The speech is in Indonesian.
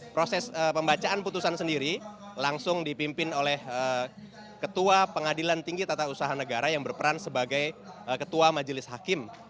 proses pembacaan putusan sendiri langsung dipimpin oleh ketua pengadilan tinggi tata usaha negara yang berperan sebagai ketua majelis hakim